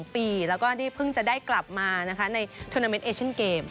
๒ปีแล้วก็พึ่งจะได้กลับมาในทุนาเมนต์เอชั่นเกม